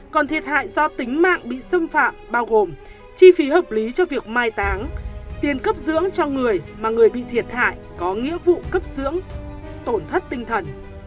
còn thiệt hại do tính mạng bị xâm phạm bao gồm chi phí hợp lý cho việc mai táng tiền cấp dưỡng cho người mà người bị thiệt hại có nghĩa vụ cấp dưỡng tổn thất tinh thần